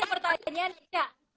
ya ini pertanyaannya nih ca